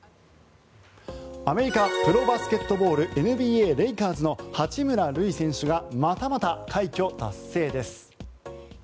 アメリカプロバスケットボールＮＢＡレイカーズの八村塁選手がまたまた快挙達成です。